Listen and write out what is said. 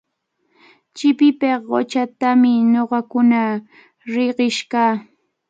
Chipipiq quchatami ñuqakuna riqish kaa.